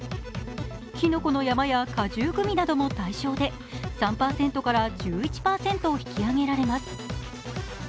きのこの山や果汁グミなども対象で３％から１１％引き上げられます。